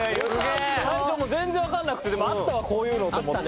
最初もう全然わかんなくてでもあったわこういうのと思って。